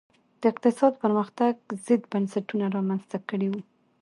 د اقتصادي پرمختګ ضد بنسټونه رامنځته کړي وو.